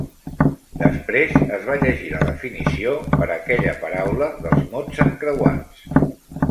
Després es va llegir la definició per aquella paraula dels mots encreuats.